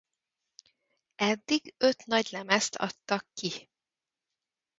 Eddig öt nagylemezt adtak ki.